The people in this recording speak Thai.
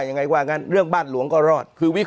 ยังไงว่างั้นเรื่องบ้านหลวงก็รอด